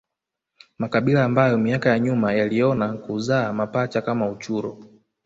makabila ambayo miaka ya nyuma yaliona kuzaa mapacha kama uchuro